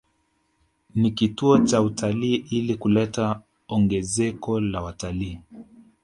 Ni kituo cha utalii ili kuleta ongezeko la wataliii